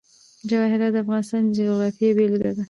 جواهرات د افغانستان د جغرافیې بېلګه ده.